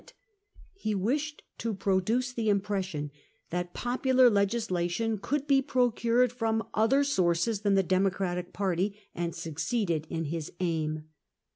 He wished to produce the impression that popular legislation could be procured from other sources than the Democratic party, and succeeded in his aim.